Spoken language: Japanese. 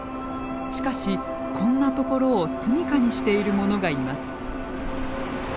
しかしこんなところを住みかにしているものがいます。